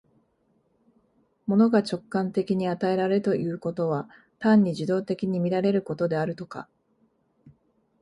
物が直観的に与えられるということは、単に受働的に見られることであるとか、